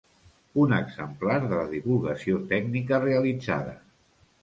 Un exemplar de la divulgació tècnica realitzada.